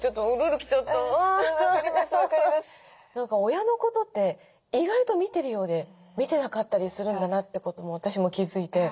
何か親のことって意外と見てるようで見てなかったりするんだなってことも私も気付いて。